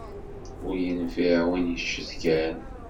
Ur yenfiɛ win yeccetkan.